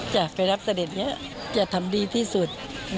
อยากไปรับเสด็จอยากทำดีที่สุด